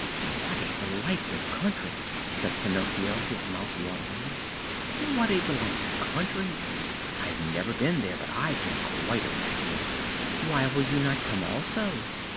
"What a delightful country!" said Pinocchio, his mouth watering. "What a delightful country! I have never been there, but I can quite imagine it." "Why will you not come also?"